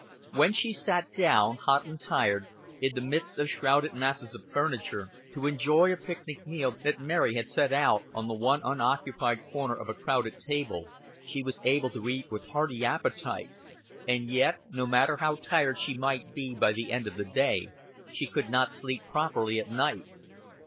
When she sat down, hot and tired, in the midst of shrouded masses of furniture, to enjoy a picnic meal that Mary had set out on the one unoccupied corner of a crowded table, she was able to eat with hearty appetite; and yet, no matter how tired she might be by the end of the day, she could not sleep properly at night.